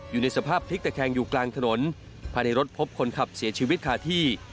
อยู่ในสภาพพลิกตะแคงอยู่กลางถนนภายในรถพบคนขับเสียชีวิตคาที่